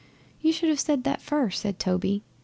'"You should have said that first," said Toby.